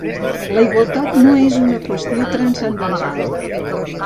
La igualtat no és una qüestió transcendental.